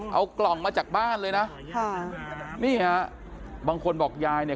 เอากล่องมาจากบ้านเลยนะบางคนบอกยายเนี่ย